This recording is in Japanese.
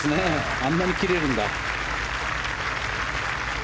あんなに切れるんだ。